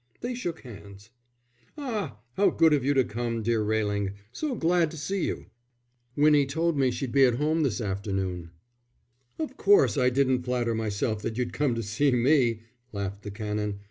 They shook hands. "Ah, how good of you to come, dear Railing. So glad to see you." "Winnie told me she'd be at home this afternoon." "Of course I didn't flatter myself that you'd come to see me," laughed the Canon.